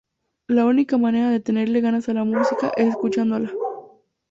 La única manera de tenerle ganas a la música es escuchándola